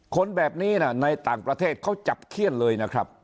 คนแบบนี้ในต่างประเทศเขาจับเขี้ยนเลยนะครับ